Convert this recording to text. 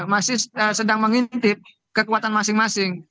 masih sedang mengintip kekuatan masing masing